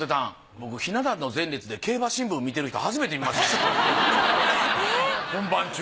僕ひな壇の前列で競馬新聞見てる人初めて見ましたし本番中。